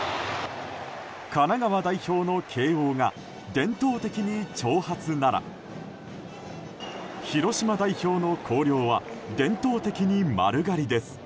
神奈川代表の慶應が伝統的に長髪なら広島代表の広陵は伝統的に丸刈りです。